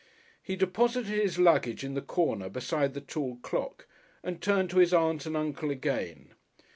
He deposited his luggage in the corner beside the tall clock, and turned to his Aunt and Uncle again.